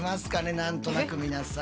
何となく皆さん。